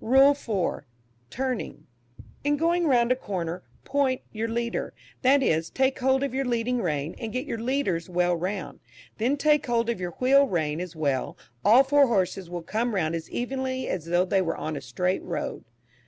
RULE IV. TURNING. In going round a corner, "point" your leader that is, take hold of your leading rein, and get your leaders well round; then take hold of your wheel rein as well, all four horses will come round as evenly as though they were on a straight road.